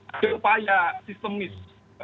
ada upaya sistemis